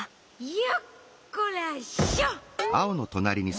よっこらしょ！